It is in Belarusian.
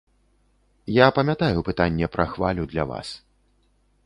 Я памятаю пытанне пра хвалю для вас.